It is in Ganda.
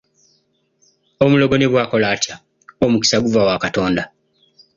Omulogo ne bw’akola atya, omukisa guva wa Katonda.